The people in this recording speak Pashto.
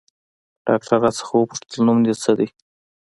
ډاکتر راڅخه وپوښتل نوم دې څه ديه.